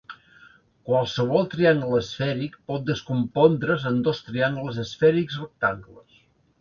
Qualsevol triangle esfèric pot descompondre's en dos triangles esfèrics rectangles.